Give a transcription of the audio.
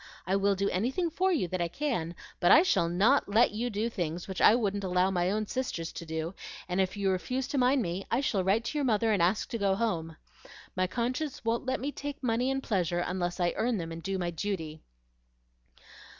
I will do anything for you that I can, but I shall NOT let you do things which I wouldn't allow my own sisters to do, and if you refuse to mind me, I shall write to your mother and ask to go home. My conscience won't let me take money and pleasure unless I earn them and do my duty."